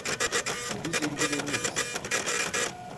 Biz ilgileniriz.